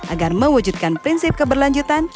agar mewujudkan prinsip keberlanjutan